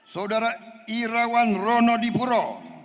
saudara irawan ronodipuro